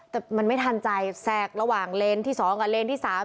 แต่มันไม่ทันใจแทรกระหว่างเลนที่๒กับเลนที่๓